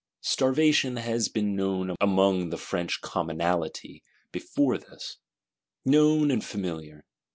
Starvation has been known among the French Commonalty before this; known and familiar.